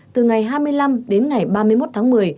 từ ngày hai mươi năm đến ngày ba mươi một tháng một mươi